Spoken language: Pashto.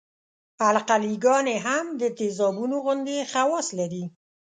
القلي ګانې هم د تیزابونو غوندې خواص لري.